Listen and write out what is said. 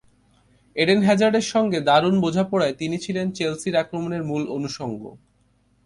Eden হ্যাজার্ডের সঙ্গে দারুণ বোঝাপড়ায় তিনি ছিলেন চেলসির আক্রমণের মূল অনুষঙ্গ।